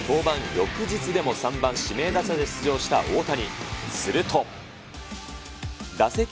翌日でも３番指名打者で出場した大谷。